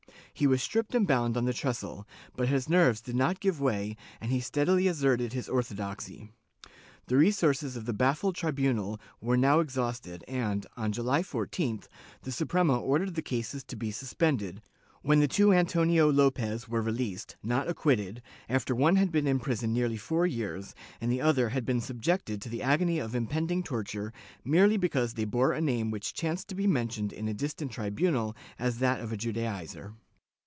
He was stripped and bound on the trestle, but his nerves did not give way and he steadily asserted his ortho doxy. The resources of the baffled tribunal were now exhausted and, on July 14th, the Suprema ordered the cases to be suspended, when the two Antonio Lopez were released — not acquitted — after one had been in prison nearly four years, and the other had been subjected to the agony of impending torture, merely because they bore a name which chanced to be mentioned in a distant tribunal as that of a Judaizer.